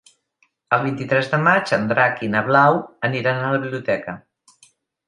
El vint-i-tres de maig en Drac i na Blau aniran a la biblioteca.